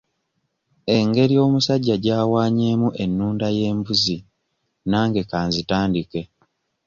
Engeri omusajja gy'awanyeemu ennunda y'embuzi nange ka nzitandike.